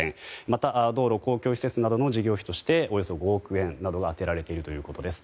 また、道路公共施設などの事業費としておよそ５億円などが充てられているということです。